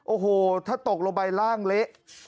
โอ้โหถ้าตกลงไปร่างเละ